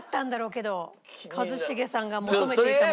けど一茂さんが求めていたものは。